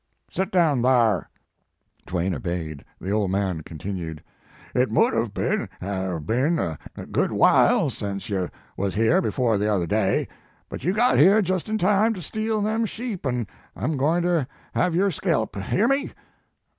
His Life and Work. "Set down tkar." Twain obeyed. The old man continued: "It mout have been have been a good while sense you was here before the other day, but you got here just in time ter steal them sheep an I m goin ter have your skelp. Hear me?"